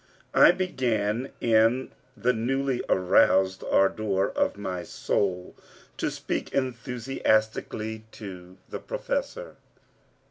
I began in the newly aroused ardor of my soul to speak enthusiastically to the Professor.